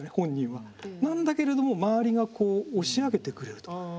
なんだけれども周りが押し上げてくれると。